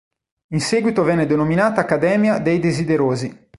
In seguito venne denominata Accademia dei Desiderosi.